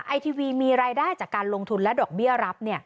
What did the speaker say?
ไอทีวีมีรายได้จากการลงทุนและดอกเบี้ยรับ